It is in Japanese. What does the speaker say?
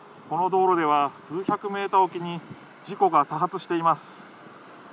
この道路では数百メーターおきに事故が多発しています。